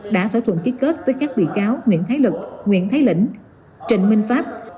đã thỏa thuận ký kết với các bị cáo nguyễn thái lực nguyễn thái lĩnh trình minh pháp